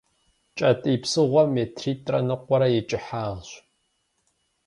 Кӏэтӏий псыгъуэм метритӏрэ ныкъуэрэ и кӏыхьагъщ.